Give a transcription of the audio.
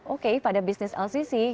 oke pada bisnis lcc